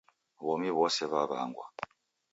Womi wose w'aw'awangwa .